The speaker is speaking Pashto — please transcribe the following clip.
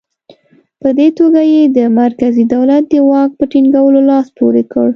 په دې توګه یې د مرکزي دولت د واک په ټینګولو لاس پورې کړ.